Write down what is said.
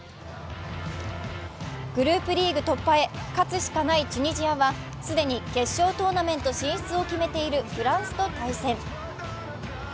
グループリーグ突破へ勝つしかないチュニジアは既に決勝トーナメント進出を決めているフランスと対戦。